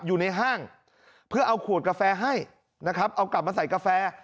อยู่ในห้างเพื่อเอาขวดกาแฟให้นะครับเอากลับมาใส่กาแฟ